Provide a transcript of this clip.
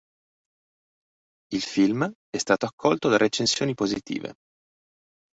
Il film è stato accolto da recensioni positive.